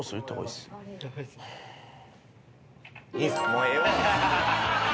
もうええわ。